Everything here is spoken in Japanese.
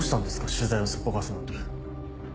取材をすっぽかすなんて。